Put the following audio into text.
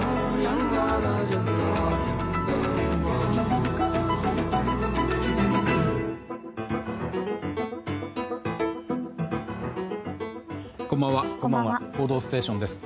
「報道ステーション」です。